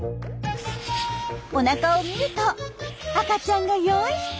おなかを見ると赤ちゃんが４匹。